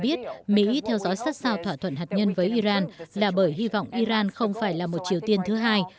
bà nikki haley cho biết mỹ theo dõi sát sao thỏa thuận hạt nhân với iran là bởi hy vọng iran không phải là một chiều tiên thứ hai